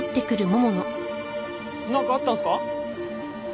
なんかあったんすか？